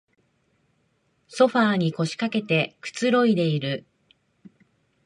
ソファーに腰かけてくつろいでいる